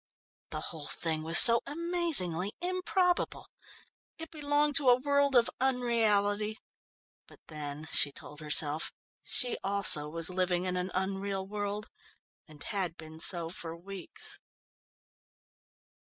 The whole thing was so amazingly improbable. It belonged to a world of unreality, but then, she told herself, she also was living in an unreal world, and had been so for weeks.